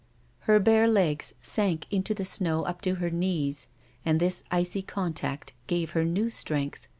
Her bare legs sank into the snow up to her knees, and this icy contact gave her new strength.